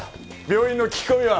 病院の聞き込みは。